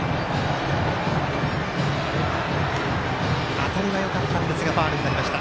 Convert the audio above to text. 当たりはよかったんですがファウルになりました。